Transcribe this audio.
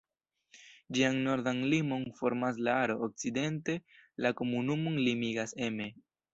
Ĝian nordan limon formas la Aro, okcidente la komunumon limigas Emme.